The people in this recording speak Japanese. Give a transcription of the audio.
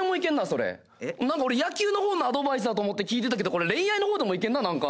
俺野球の方のアドバイスだと思って聞いてたけどこれ恋愛の方でもいけるななんか。